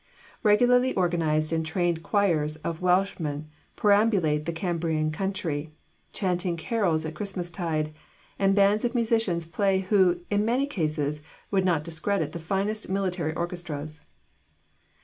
Regularly organised and trained choirs of Welshmen perambulate the Cambrian country, chanting carols at Christmas tide, and bands of musicians play who, in many cases, would not discredit the finest military orchestras.